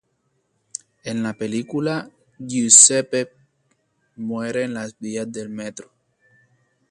En la película Giuseppe muere en las vías del metro.